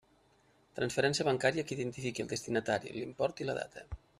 Transferència bancària que identifiqui el destinatari, l'import i la data.